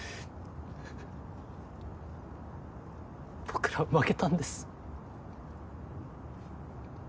僕らは負けたんです。